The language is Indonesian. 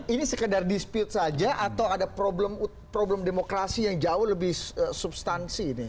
ini sekedar dispute saja atau ada problem demokrasi yang jauh lebih substansi ini